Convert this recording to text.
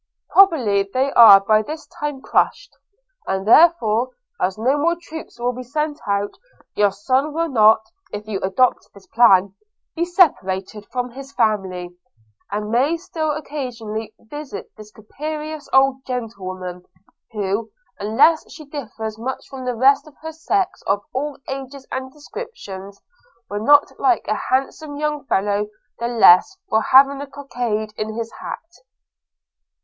Probably they are by this time crushed; and therefore, as no more troops will be sent out, your son will not, if you adopt this plan, be separated from his family, and may still occasionally visit this capricious old gentlewoman, who, unless she differs much from the rest of her sex, of all ages and descriptions, will not like a handsome young fellow the less for having a cockade in his hat.'